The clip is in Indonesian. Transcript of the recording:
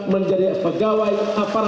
menjadi pegawai aparatur sipil negara